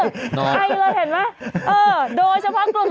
ไอเห็นไหมโดยเฉพาะกลุ่ม๖๐๘